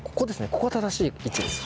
ここが正しい位置です。